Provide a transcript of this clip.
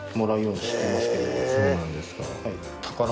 そうなんですか。